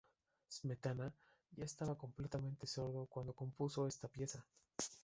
Smetana ya estaba completamente sordo cuando compuso esta pieza.